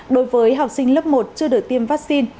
đối với học sinh lớp một chưa được tiêm vaccine